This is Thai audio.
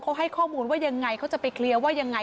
เขาให้ข้อมูลว่ายังไงเขาจะไปเคลียร์ว่ายังไง